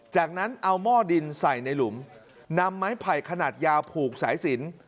จากนั้นเอาหม้อดินใส่ในหลุมนำไม้ไผ่ขนาดยาวผูกสายสิน